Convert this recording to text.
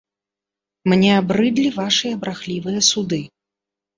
Мне абрыдлі вашыя брахлівыя суды!